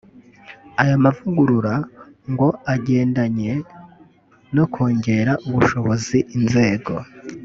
Aya mavugurura ngo igendanye no kongerera ubushobozi inzego